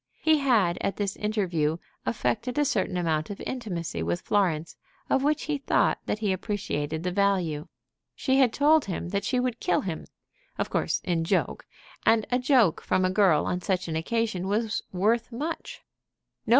He had at this interview affected a certain amount of intimacy with Florence of which he thought that he appreciated the value. She had told him that she would kill him, of course in joke; and a joke from a girl on such an occasion was worth much.